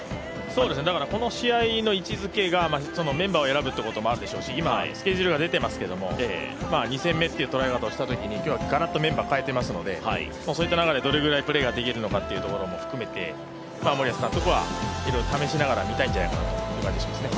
だからこの試合の位置づけがメンバーを選ぶっていうこともあるでしょうし、今、スケジュールが出ていますけども２戦目という捉え方をしたときに、今日、ガラッとメンバーを代えていますのでそういった中でどれだけプレーができるかも含めて森保監督はいろいろ試しながら見たいんじゃないかなという気がしますね。